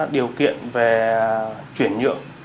điều kiện về chuyển nhượng